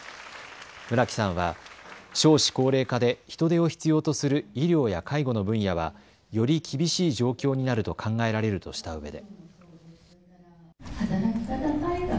村木さんは少子高齢化で人手を必要とする医療や介護の分野はより厳しい状況になると考えられるとしたうえで。